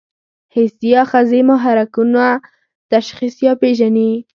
حسي آخذې محرکونه تشخیص یا پېژني.